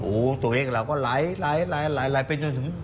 โอ้โหตัวเลขเราก็ไหลไปจนถึง